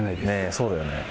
そうだよね。